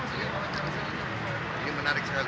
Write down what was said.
ini menarik sekali